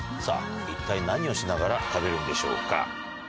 さぁ一体何をしながら食べるんでしょうか？